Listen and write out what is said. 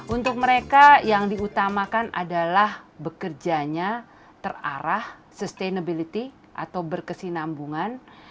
untuk mereka yang diutamakan adalah bekerjanya terarah sustainability atau berkesinambungan